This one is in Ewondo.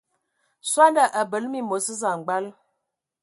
Sɔndɔ a bəle məmos samgbal.